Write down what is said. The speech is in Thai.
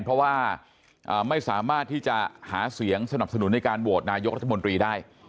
เพราะว่าไม่สามารถที่จะหาเสียงสนับสนุนในการโหวตนายกรัฐมนตรีได้